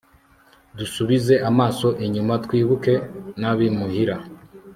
dusubize amaso inyuma twibuke n'abimuhira